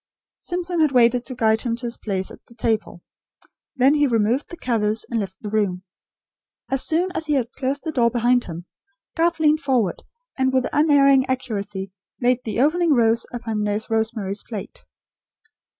Simpson had waited to guide him to his place at the table. Then he removed the covers, and left the room. As soon as he had closed the door behind him, Garth leaned forward, and with unerring accuracy laid the opening rose upon Nurse Rosemary's plate.